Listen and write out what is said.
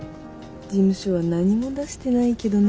事務所は何も出してないけどね。